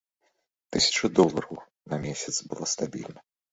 Тысяча долараў на месяц была стабільна.